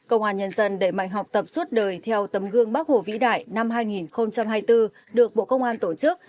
công an nhân dân đẩy mạnh học tập suốt đời theo tấm gương bắc hồ vĩ đại năm hai nghìn hai mươi bốn được bộ công an tổ chức